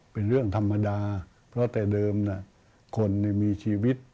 เป็นเรื่องธรรมดาเพราะแต่เดิมคนมีชีวิต